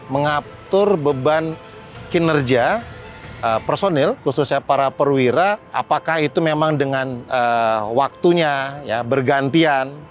mengatur beban kinerja personil khususnya para perwira apakah itu memang dengan waktunya ya bergantian